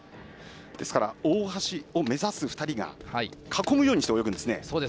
大橋を目指す２人が囲むようにして泳ぐんですね。